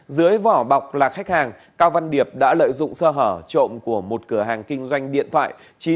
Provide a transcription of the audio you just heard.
dưới vỏ bọc là khách hàng cao văn điệp đã lợi dụng sơ hở trộm của một cửa hàng kinh doanh điện thoại